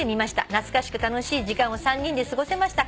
懐かしく楽しい時間を３人で過ごせました。